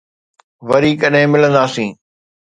وري ڪڏھن ملنداسين.